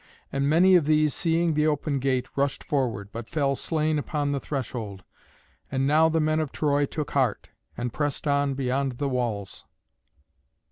And many of these, seeing the open gate, rushed forward, but fell slain upon the threshold. And now the men of Troy took heart, and pressed on beyond the walls.